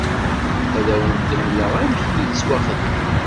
Ad wen-d-mleɣ amek i yettwaxdem.